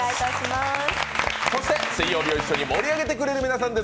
そして水曜日を一緒に盛り上げてくださる皆さんです。